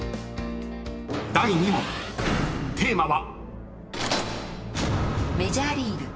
［第２問テーマは］